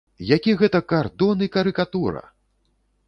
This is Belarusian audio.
Які гэта кардон і карыкатура!